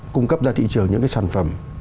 cung cấp ra thị trường những cái sản phẩm